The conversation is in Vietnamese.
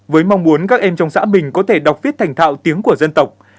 với mong muốn các em trong xã bình có thể đọc viết thành thạo tiếng của dân tộc